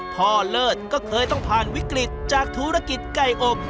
เลิศก็เคยต้องผ่านวิกฤตจากธุรกิจไก่อบ